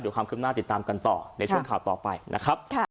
ความคืบหน้าติดตามกันต่อในช่วงข่าวต่อไปนะครับ